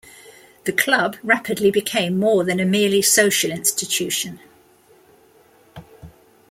The Club rapidly became more than a merely social institution.